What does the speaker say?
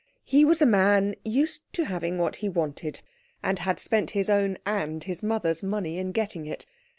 He was a man used to having what he wanted, and had spent his own and his mother's money in getting it.